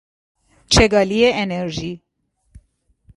چگالی انرژی